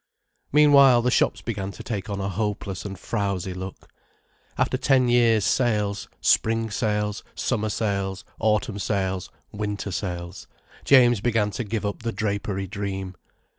Meanwhile the shops began to take on a hopeless and frowsy look. After ten years' sales, spring sales, summer sales, autumn sales, winter sales, James began to give up the drapery dream.